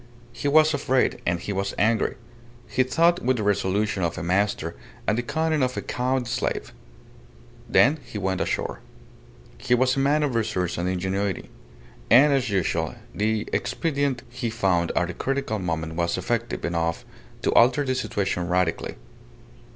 He was afraid, and he was angry. He thought with the resolution of a master and the cunning of a cowed slave. Then he went ashore. He was a man of resource and ingenuity; and, as usual, the expedient he found at a critical moment was effective enough to alter the situation radically.